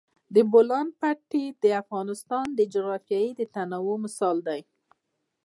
د بولان پټي د افغانستان د جغرافیوي تنوع مثال دی.